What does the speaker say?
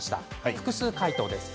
複数回答です。